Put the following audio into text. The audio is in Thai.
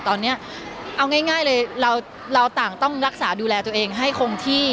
ตอนนี้เอาง่ายเลยเราต่างต้องรักษาดูแลตัวเองให้คงที่